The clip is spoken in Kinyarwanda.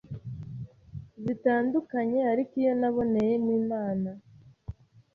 zitandukanye ariko iyo naboneyemo Imana